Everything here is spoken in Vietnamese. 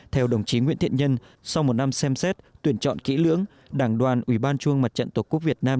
theo đồng chí nguyễn thiện nhân sau một năm xem xét tuyển chọn kỹ lưỡng đảng đoàn ủy ban trung mặt trận tổ quốc việt nam